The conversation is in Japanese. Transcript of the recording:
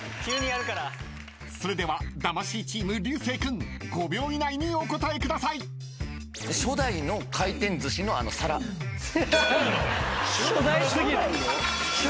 ［それでは魂チーム流星君５秒以内にお答えください］・初代すぎる。